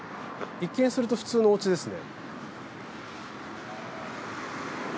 一見すると普通のお家ですね。